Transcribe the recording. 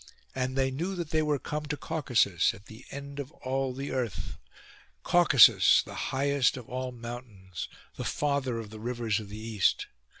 And they knew that they were come to Caucasus, at the end of all the earth: Caucasus the highest of all mountains, the father of the rivers of the East.